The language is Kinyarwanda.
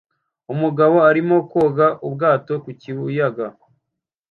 Umugabo arimo koga ubwato ku kiyaga